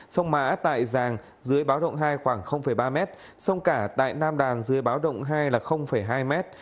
sông mã tại giàng dưới báo động hai khoảng ba m sông cả tại nam đàn dưới báo động hai là hai m